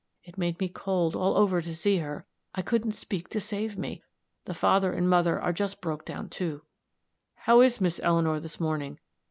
It made me cold all over to see her I couldn't speak to save me. The father and mother are just broke down, too." "How is Miss Eleanor, this morning?"